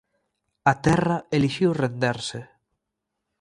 A Terra elixiu renderse.